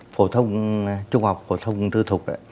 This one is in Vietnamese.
phổ thông trung học phổ thông tư thuộc